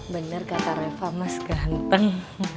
benar kata reva mas ganteng